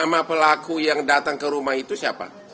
sama pelaku yang datang ke rumah itu siapa